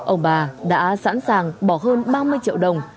ông bà đã sẵn sàng bỏ hơn ba mươi triệu đồng